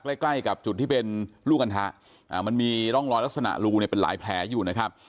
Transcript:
ใกล้ใกล้กับจุดที่เป็นลูกอันทะมันมีร่องรอยลักษณะรูเนี่ยเป็นหลายแผลอยู่นะครับ